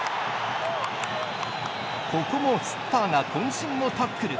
ここもスッタ―がこん身のタックル。